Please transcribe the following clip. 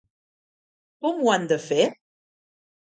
Com ho han de fer?